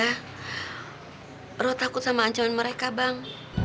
hai ro takut sama ancaman mereka bang